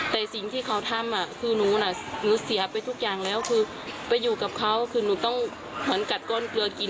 แต่สิ่งที่เขาทำคือหนูน่ะหนูเสียไปทุกอย่างแล้วคือไปอยู่กับเขาคือหนูต้องเหมือนกัดก้อนเกลือกิน